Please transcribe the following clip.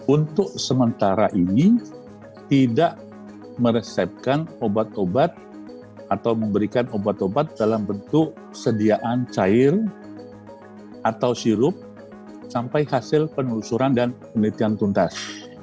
untuk sementara ini tidak meresepkan obat obat atau memberikan obat obat dalam bentuk sediaan cair atau sirup sampai hasil penelusuran dan penelitian tuntas